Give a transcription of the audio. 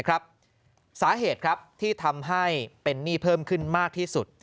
สาเหตุที่ทำให้เป็นหนี้เพิ่มขึ้นมากที่สุด